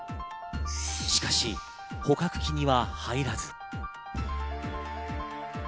しかし捕獲器には入らず。